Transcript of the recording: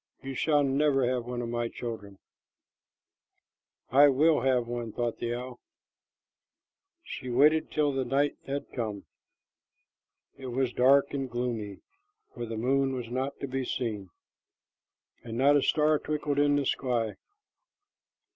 You shall never have one of my children." "I will have one," thought the owl. She waited till the night had come. It was dark and gloomy, for the moon was not to be seen, and not a star twinkled in the sky.